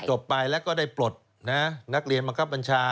ไปแล้วก็ได้ปลดนักเรียนบังคับบัญชา